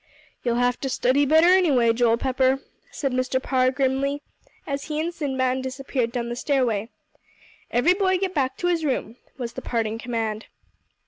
"You'll have to study better anyway, Joel Pepper," said Mr. Parr grimly, as he and Sinbad disappeared down the stairway. "Every boy get back to his room," was the parting command.